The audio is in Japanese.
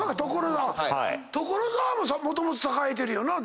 所沢ももともと栄えてるよな？